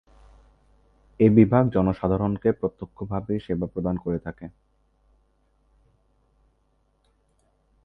এ বিভাগ জনসাধারণকে প্রত্যক্ষভাবে সেবা প্রদান করে থাকে।